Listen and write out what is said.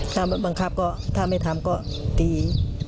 ถ้าบังคับก็ถ้าไม่ทำก็ตี